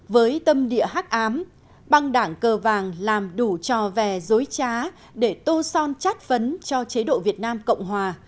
với tâm địa hắc ám băng đảng cơ vàng làm đủ trò vè dối trá để tô son chát phấn cho chế độ việt nam cộng hòa